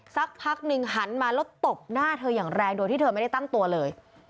สักพักหนึ่งหันมาแล้วตบหน้าเธออย่างแรงโดยที่เธอไม่ได้ตั้งตัวเลย